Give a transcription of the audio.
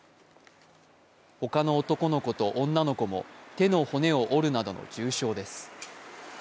他の男の子と女の子も手の骨を折るなどの重傷です。